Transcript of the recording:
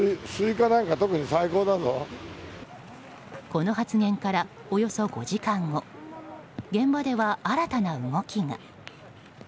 この発言からおよそ５時間後現場では、新たな動きが。